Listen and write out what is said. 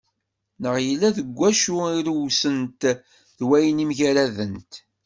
Neɣ yella deg wacu irewsent, d wayen i mgaradent.